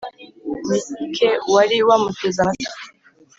mike wari wamuteze amatwi